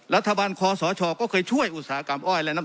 คอสชก็เคยช่วยอุตสาหกรรมอ้อยและน้ำ